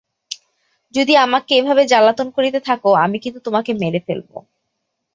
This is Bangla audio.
যদি আমাকে এভাবে জ্বালাতন করতে থাকো, আমি কিন্তু তোমাকে মেরে ফেলব।